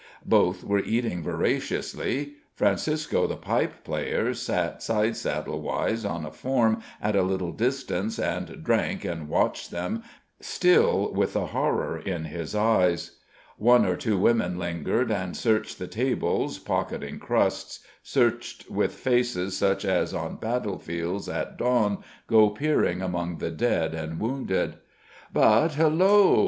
Both were eating voraciously. Francisco, the pipe player, sat sidesaddle wise on a form at a little distance and drank and watched them, still with the horror in his eyes. One or two women lingered, and searched the tables, pocketing crusts searched with faces such as on battlefields, at dawn, go peering among the dead and wounded. "But hullo!"